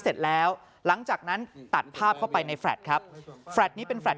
เสร็จแล้วหลังจากนั้นตัดภาพเข้าไปในครับนี้เป็นฟลาด